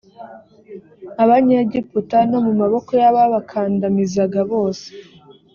abanyegiputa no mu maboko y ababakandamizaga bose